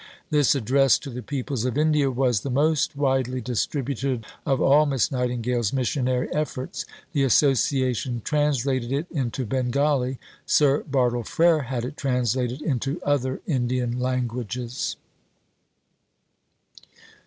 This address to the Peoples of India was the most widely distributed of all Miss Nightingale's missionary efforts. The Association translated it into Bengali. Sir Bartle Frere had it translated into other Indian languages.